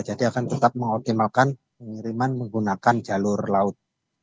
jadi akan tetap mengoptimalkan pengiriman menggunakan jalur laut